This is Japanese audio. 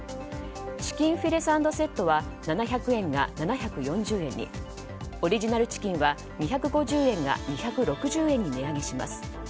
チキンフィレサンドセットは７００円が７４０円にオリジナルチキンは２５０円が２６０円に値上げします。